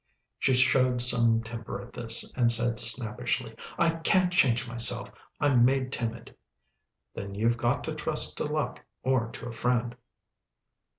She showed some temper at this, and said snappishly, "I can't change myself. I'm made timid." "Then you've got to trust to luck or to a friend."